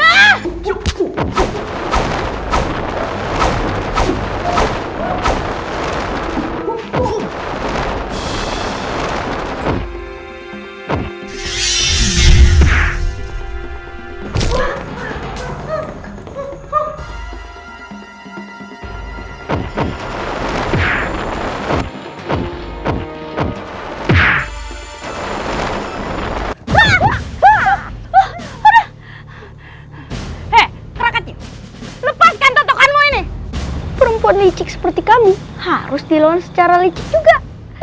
eh terangkan lepaskan tetokanmu ini perempuan licik seperti kami harus dilawan secara licik juga